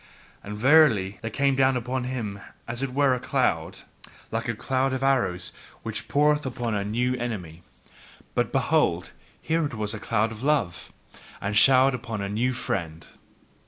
And verily, there came down upon him as it were a cloud, like a cloud of arrows which poureth upon a new enemy. But behold, here it was a cloud of love, and showered upon a new friend.